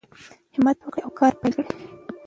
همت وکړئ او کار پیل کړئ.